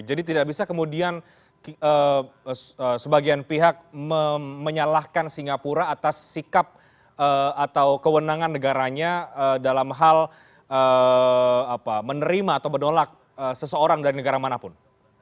jadi tidak bisa kemudian sebagian pihak menyalahkan singapura atas sikap atau kewenangan negaranya dalam hal menerima atau menolak seseorang dari negara manapun